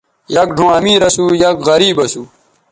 یک ڙھؤں امیر اسُو ،یک غریب اسُو